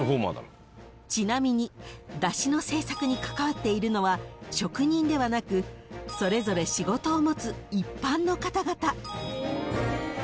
［ちなみに山車の制作に関わっているのは職人ではなくそれぞれ仕事を持つ一般の方々］